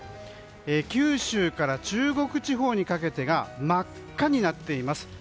九州から中国地方にかけてが真っ赤になっています。